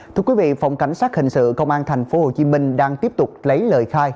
thưa quý vị phòng cảnh sát hình sự công an tp hcm đang tiếp tục lấy lời khai